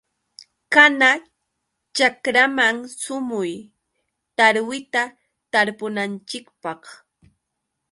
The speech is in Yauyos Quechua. Kana chakraman sumuy. Tarwita tarpunanchikpaq.